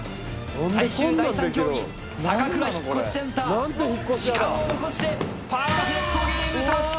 最終第３競技たかくら引越センター時間を残してパーフェクトゲーム達成！